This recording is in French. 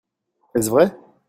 Est-ce vrai?